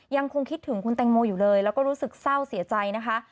ยังคงคิดถึงคุณแตงโมอยู่เลยแล้วก็รู้สึกเศร้าเสียใจนะคะ